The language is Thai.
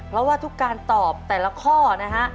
เพราะว่าทุกการตอบแต่ละข้อนะฮะ